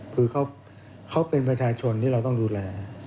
คือเขาเป็นประชาชนที่เราต้องดูแล